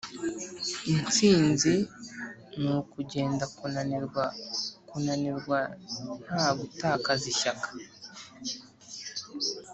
"intsinzi ni ukugenda kunanirwa kunanirwa nta gutakaza ishyaka."